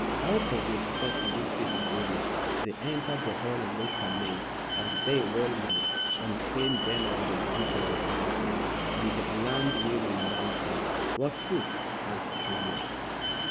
Out of it stepped Lucy and Julius. They entered the hall and looked amazed, as they well might, on seeing Bernard in the grip of the policeman, and the alarmed women around him. "What's this?" asked Julius.